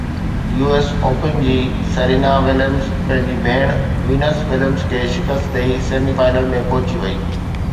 U S Open جي Serena Williams پنهنجي ڀيڻ وينس وليمز کي شڪست ڏئي سيمي فائنل ۾ پهچي وئي